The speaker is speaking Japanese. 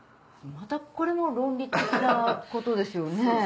またこれも論理的なことですよね。